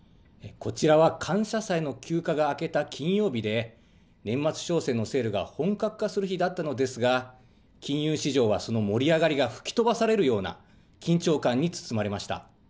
こちらは感謝祭の休暇が明けた金曜日で、年末商戦のセールが本格化する日だったのですが、金融市場はその盛り上がりが吹き飛ばされるような緊張感に包まれました。